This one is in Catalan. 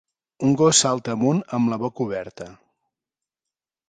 Un gos salta amunt amb la boca oberta.